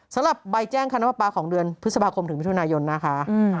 สำหรับใบแจ้งคณะประปาของเดือนพฤษภาคมถึงมิถุนายนนะคะ